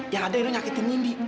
yang ada edo nyakitin indi